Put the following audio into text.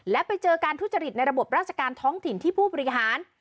และไปเจอการทุจริตในระบบราชการท้องถิ่นที่ผู้บริหาร